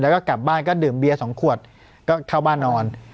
แล้วก็กลับบ้านก็ดื่มเบียร์๒ขวดก็เข้าบ้านนอน